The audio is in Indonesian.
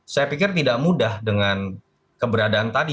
saya pikir tidak mudah dengan keberadaan tadi